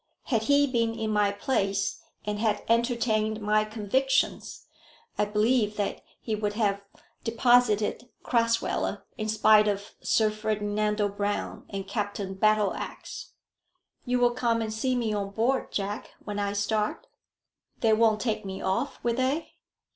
Had he been in my place, and had entertained my convictions, I believe that he would have deposited Crasweller in spite of Sir Ferdinando Brown and Captain Battleax. "You will come and see me on board, Jack, when I start." "They won't take me off, will they?"